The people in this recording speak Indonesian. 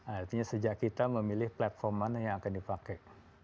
artinya sejak kita memilih platforman yang akan dipakai